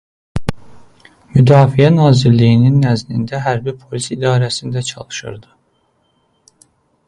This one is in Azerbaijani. Müdafiə Nazirliyinin nəzdində Hərbi Polis İdarəsində çalışırdı.